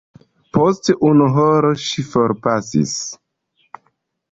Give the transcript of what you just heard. Post unu horo ŝi forpasis.